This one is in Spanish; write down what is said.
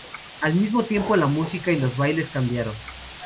Al mismo tiempo, la música y los bailes cambiaron.